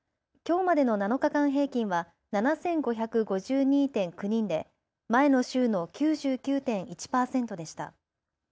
きょうまでの７日間平均は７５５２．９人で前の週の９９．１％でした。